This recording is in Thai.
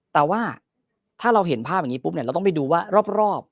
แต่ว่าถ้าเราเห็นภาพอย่างนี้ปุ๊บเนี่ยเราต้องไปดูว่ารอบ